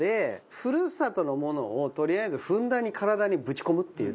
故郷のものをとりあえずふんだんに体にぶち込むっていう。